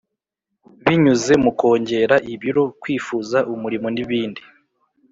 binyuze mu kongera ibiro, kwifuza, umurimo n'ibindi-